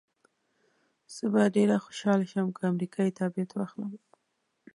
زه به ډېره خوشحاله شم که امریکایي تابعیت واخلم.